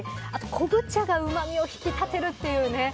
あと昆布茶がうまみを引き立てるというね。